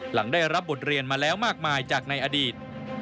หลังได้รับบทเรียนมาแล้วมากมายจากในอดีต